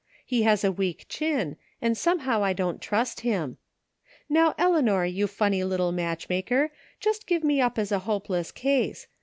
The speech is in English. He has a weak chin, and somehow I don't trust him. . Now, Eleanor, you f imny little match maker, just give [ me up as a hopeless case.